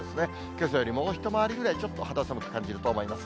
けさよりもう一回りぐらいちょっと肌寒く感じると思います。